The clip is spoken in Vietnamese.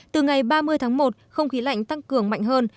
từ ngày ba mươi tháng một không khí lạnh tăng cường mạnh hơn